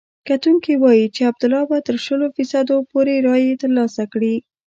کتونکي وايي چې عبدالله به تر شلو فیصدو پورې رایې ترلاسه کړي.